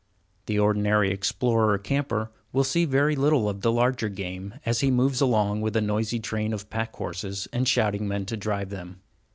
The ordinary explorer or camper will see very little of the larger game, as he moves along with a noisy train of pack horses and shouting men to drive them.